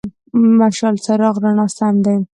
مشال: څراغ، رڼا سم دی.